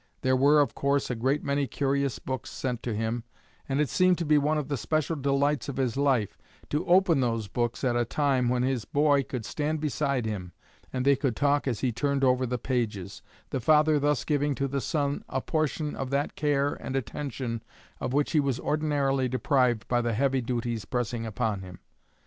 There were, of course, a great many curious books sent to him, and it seemed to be one of the special delights of his life to open those books at a time when his boy could stand beside him, and they could talk as he turned over the pages, the father thus giving to the son a portion of that care and attention of which he was ordinarily deprived by the heavy duties pressing upon him."